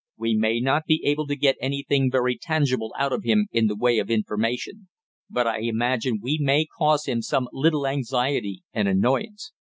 We may not be able to get anything very tangible out of him in the way of information, but I imagine we may cause him some little anxiety and annoyance.